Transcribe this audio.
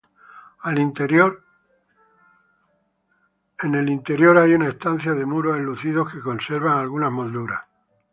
Al interior es una estancia de muros enlucidos que conserva algunas molduras.